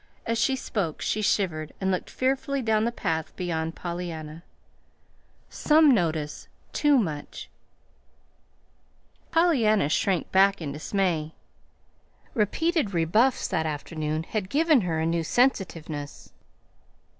As she spoke she shivered and looked fearfully down the path beyond Pollyanna. "Some notice too much." Pollyanna shrank back in dismay. Repeated rebuffs that afternoon had given her a new sensitiveness.